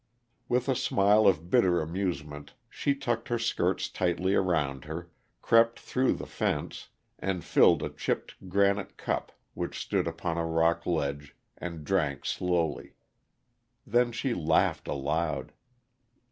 With a smile of bitter amusement, she tucked her skirts tightly around her, crept through the fence, and filled a chipped granite cup which stood upon a rock ledge, and drank slowly. Then she laughed aloud.